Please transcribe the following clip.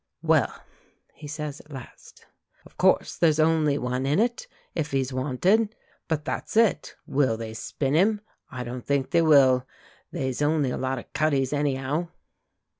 "Well," he says, at last, "of course there's only one in it if he's wanted. But that's it will they spin him? I don't think they will. They's only a lot o' cuddies, any'ow."